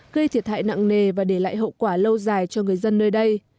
gây thiệt hại nặng nề và để lại hậu quả lâu dài cho người dân nơi đây